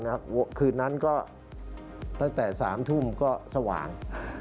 ที่ทุกคนครับเครื่องนั้นก็ตั้งแต่สามทุ่มก็สว่าง